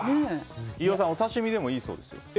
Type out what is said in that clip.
飯尾さんお刺し身でもいいそうですよ。